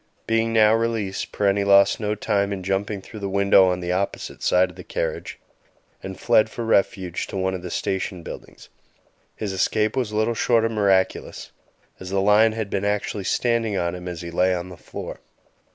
Being now released, Parenti lost no time in jumping through the window on the opposite side of the carriage, and fled for refuge to one of the station buildings; his escape was little short of miraculous, as the lion had been actually standing on him as he lay on the floor.